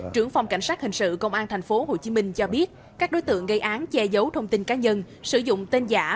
trưởng phòng cảnh sát hình sự công an tp hcm cho biết các đối tượng gây án che giấu thông tin cá nhân sử dụng tên giả